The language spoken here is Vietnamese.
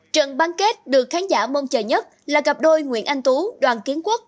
trận bán kết được khán giả mong chờ nhất là cặp đôi nguyễn anh tú đoàn kiến quốc